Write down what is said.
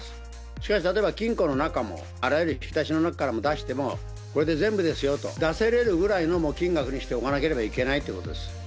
しかし、例えば金庫の中も、あらゆる引き出しの中からも出しても、これで全部ですよと、出せれるぐらいの金額にしておかなければいけないということです。